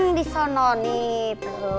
gak usah po